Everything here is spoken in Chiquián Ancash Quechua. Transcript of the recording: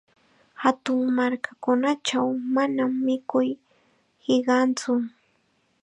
Hatun markakunachaw manam mikuy hiqantsu.